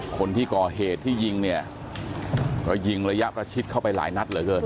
คนที่ก่อเหตุที่ยิงเนี่ยก็ยิงระยะประชิดเข้าไปหลายนัดเหลือเกิน